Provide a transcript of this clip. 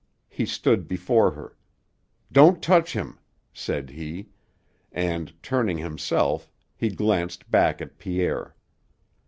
He stood before her, "Don't touch him," said he, and, turning himself, he glanced back at Pierre.